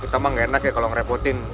kita mah gaenak ya kalo ngerepotin